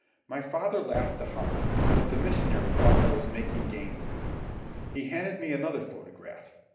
My father laughed the harder, but the missionary thought I was making game of him. He handed me another photograph.